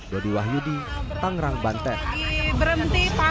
dodi wahyudi tangerang banten